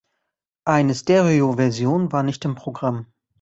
Eine Stereoversion war nicht im Programm.